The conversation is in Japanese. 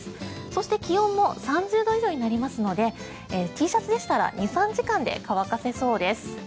そして気温も３０度以上になりますのでＴシャツでしたら２３時間で乾かせそうです。